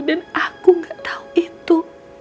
dan aku gak tau itu